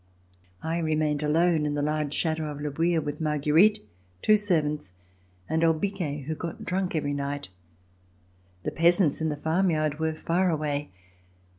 I remained alone in the large Chateau of Le Bouilh with Marguerite, two servants, and old Biquet who got drunk every night. The peasants in the farm yard were far away.